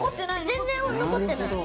全然残ってない。